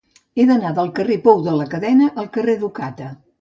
He d'anar del carrer del Pou de la Cadena al carrer d'Ocata.